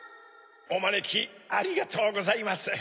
おまねきありがとうございます。